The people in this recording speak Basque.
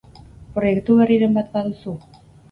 Proiektu berriren bat baduzu?